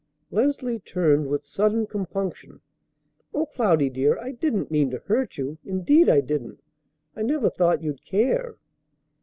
Leslie turned with sudden compunction. "O Cloudy, dear, I didn't mean to hurt you; indeed I didn't! I never thought you'd care."